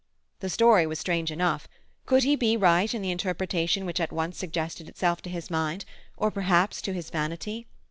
The story was strange enough. Could he be right in the interpretation which at once suggested itself to his mind—or perhaps to his vanity?